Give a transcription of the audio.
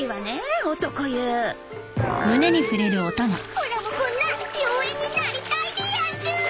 おらもこんな妖艶になりたいでやんす！